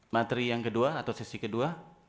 materi yang kedua atau sesi kedua